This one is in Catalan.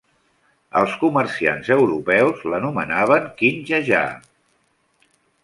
Els comerciants europeus l'anomenaven King Jaja.